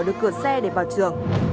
cô đã đặt cửa xe để vào trường